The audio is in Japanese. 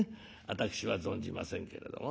私は存じませんけれども。